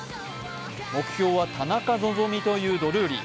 目標は田中希実というドルーリー。